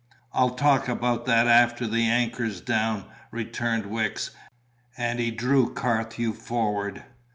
"I'll talk about that after the anchor's down," returned Wicks, and he drew Carthew forward.